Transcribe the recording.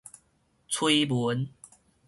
推文